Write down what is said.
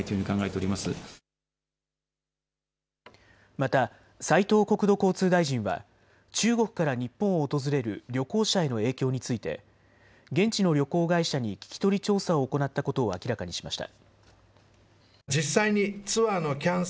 また斉藤国土交通大臣は中国から日本を訪れる旅行者への影響について現地の旅行会社に聞き取り調査を行ったことを明らかにしました。